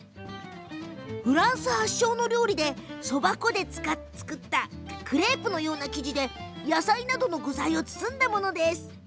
フランス発祥の料理でそば粉で作ったクレープのような生地で野菜などの具材を包んだものです。